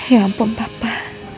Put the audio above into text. ya ampun papa